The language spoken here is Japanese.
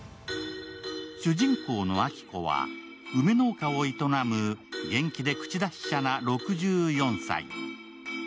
主人公の明子は梅農家を営む元気で口達者な６４歳。